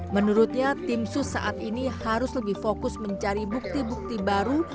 menurutnya tim sus saat ini harus lebih fokus mencari bukti bukti baru